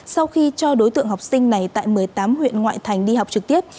sau khi cho đối tượng học sinh này tại một mươi tám huyện ngoại thành đi học trực tiếp